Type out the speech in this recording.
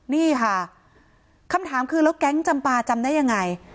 นี่ค่ะคำถามคือแล้วแก๊งจำปาจำได้ยังไง